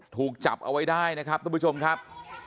ถูกจับเอาไว้ได้นะครับทุกผู้ชมครับ